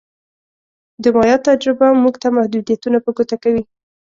د مایا تجربه موږ ته محدودیتونه په ګوته کوي